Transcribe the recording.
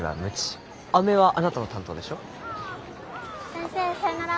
先生さよなら。